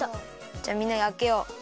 じゃあみんなであけよう。